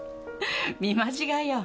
見間違いよ。